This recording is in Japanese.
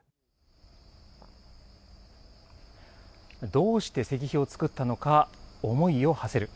どうして石碑をつくったのか思いをはせる。